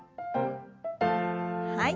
はい。